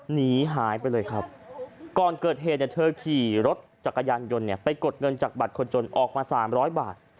หนีหายไปเลยครับก่อนเกิดเหตุเนี่ยเธอขี่รถจักรยานยนต์เนี่ยไปกดเงินจากบัตรคนจนออกมา๓๐๐บาท